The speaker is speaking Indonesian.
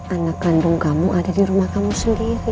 anak kandung kamu ada di rumah kamu sendiri